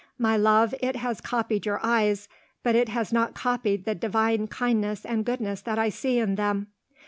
My love, it has copied your eyes, but it has not copied the divine kindness and goodness that I see in them!"